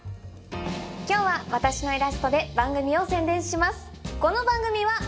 今日は私のイラストで番組を宣伝します。